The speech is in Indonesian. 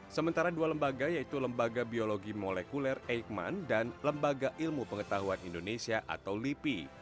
sementara dua lembaga yaitu lembaga biologi molekuler eikman dan lembaga ilmu pengetahuan indonesia atau lipi